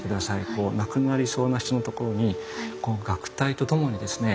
こう亡くなりそうな人のところに楽隊と共にですね